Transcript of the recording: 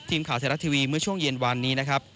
ทีมข่าวไทยรัฐทีวีเมื่อช่วงเย็นวานนี้นะครับ